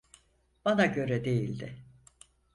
Bana göre değildi.